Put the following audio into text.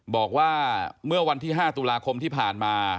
บอกว่าเมื่อวันที่๕ตุลาคมที่ผ่านมา